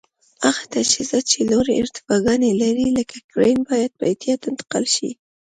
هغه تجهیزات چې لوړې ارتفاګانې لري لکه کرېن باید په احتیاط انتقال شي.